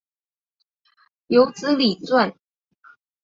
有子李撰。